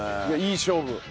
いやいい勝負。